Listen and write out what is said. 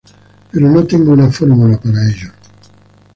Pero no tengo una fórmula para ello.